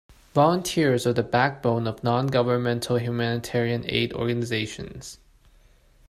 Volunteers are the backbone of non-governmental humanitarian aid organizations.